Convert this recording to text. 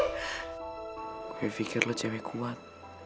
gue pikir lu cewek kuat